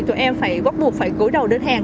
tụi em phải bắt buộc phải cuối đầu đơn hàng